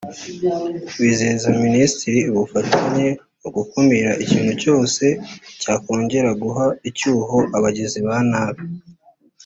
bizeza Minisitiri ubufatanye mu gukumira ikintu cyose cyakongera guha icyuho abagizi ba nabi